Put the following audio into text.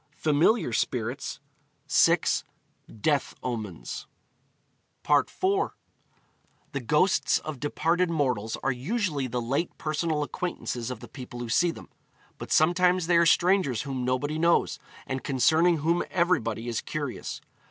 Familiar Spirits; 6. Death Omens. IV. The ghosts of departed mortals are usually the late personal acquaintances of the people who see them. But sometimes they are strangers whom nobody knows, and concerning whom everybody is curious.